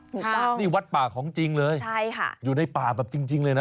ถูกต้องนี่วัดป่าของจริงเลยใช่ค่ะอยู่ในป่าแบบจริงเลยนะ